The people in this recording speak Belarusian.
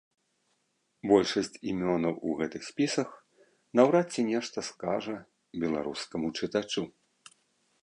Большасць імёнаў у гэтых спісах наўрад ці нешта скажа беларускаму чытачу.